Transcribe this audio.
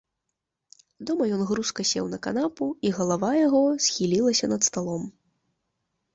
Дома ён грузка сеў на канапу і галава яго схілілася над сталом.